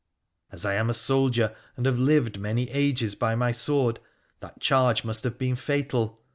As I am a soldier, and have lived many ages by my sword, that charge must have been fatal.